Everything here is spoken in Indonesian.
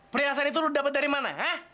perhiasan itu lu dapet dari mana ha